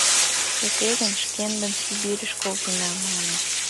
Уке гын шкендым Сибирьыш колтена» — маныт.